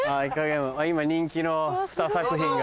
今人気のふた作品が。